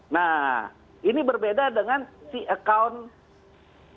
nah ini berbeda dengan si account